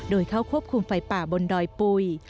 โดยเข้าควบคุมไฟป่าบนดอยปุ๋ย